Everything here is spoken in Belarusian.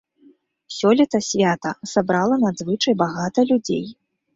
Сёлета свята сабрала надзвычай багата людзей.